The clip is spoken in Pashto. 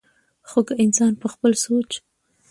خو کۀ انسان پۀ خپل سوچ